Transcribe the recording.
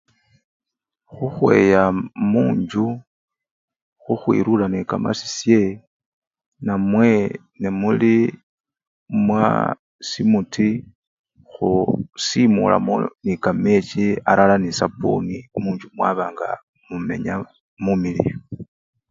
Khukhweya munjju khukhwilula nekamasisye namwe nemuli mwaa semuti khusimulamo nekamechi alala nesapuni munjju mwaba nga mumenya mumiliyu.